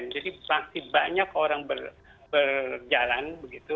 jadi masih banyak orang berjalan begitu